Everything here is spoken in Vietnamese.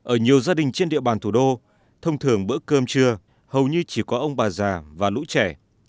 ở nhiều gia đình trên địa bàn thủ đô thông thường bữa cơm trưa hầu như chỉ có ông bà già và lũ trẻ